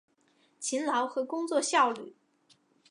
勤劳和工作效率